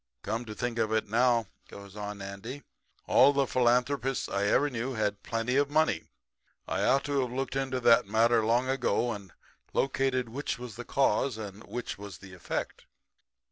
Come to think of it now,' goes on Andy, 'all the philanthropists I ever knew had plenty of money. I ought to have looked into that matter long ago, and located which was the cause and which was the effect.'